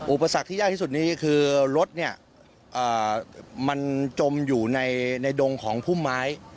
อุปสรรคที่ยากที่สุดนี้คือรถเนี่ยมันจมอยู่ในดงของพุ่มไม้